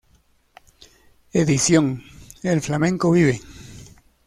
Edición: El Flamenco Vive.